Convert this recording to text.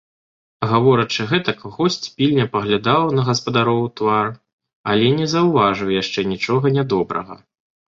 Гаворачы гэтак, госць пільна паглядаў на гаспадароў твар, але не заўважыў яшчэ нічога нядобрага.